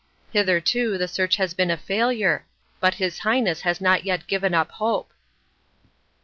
Hitherto the search has been a failure, but his Highness has not yet given up hope."